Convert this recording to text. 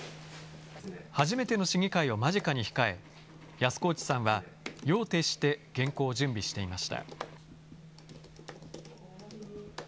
初めての市議会を間近に控え、安河内さんは夜を徹して原稿を準備していました。